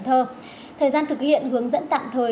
thời gian thực hiện hướng dẫn tạm thời